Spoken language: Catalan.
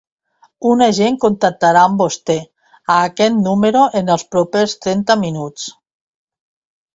Un agent contactarà amb vostè a aquest número en els propers trenta minuts.